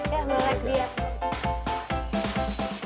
ya mulai kelihatan